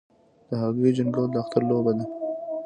د هګیو جنګول د اختر لوبه ده.